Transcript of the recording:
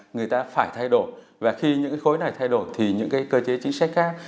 người ta phải thay đổi và khi những cái khối này thay đổi thì những cái cơ chế chính sách khác